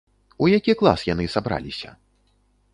У які клас яны сабраліся?